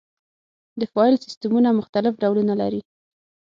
د فایل سیستمونه مختلف ډولونه لري.